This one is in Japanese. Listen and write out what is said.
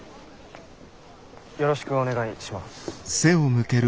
よろしくお願いします。